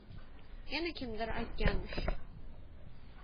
Yana kimdir aytganmish